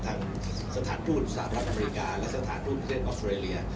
ทางสถานทูตสหรัฐอเมริกาและสถานทูตออฟเฟรเลีย